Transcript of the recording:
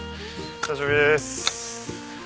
久しぶりです。